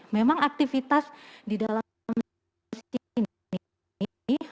memang aktivitas di dalamnya di sini